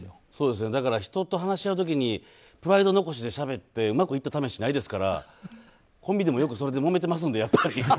だから、人と話し合う時にプライドを残して話し合った時にうまくいった試しないですからコンビでもよくそれでもめてますので。